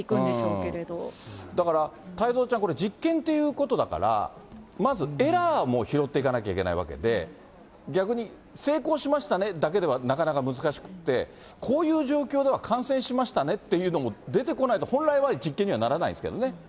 けれだから太蔵ちゃん、これ、実験ということだから、まずエラーも拾っていかなければいけないわけで、逆に成功しましたねだけではなかなか難しくって、こういう状況では感染しましたねっていうのも出てこないと、本来は実験にはならないですけどね。